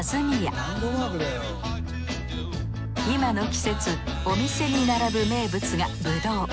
今の季節お店に並ぶ名物がぶどう。